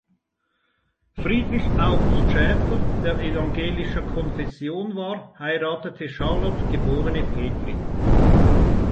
Friedrich August Schäfer, der evangelischer Konfession war, heiratete Charlotte geborene Petri.